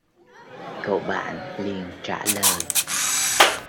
Cậu bạn liền trả lời